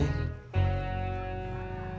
oh seperti itu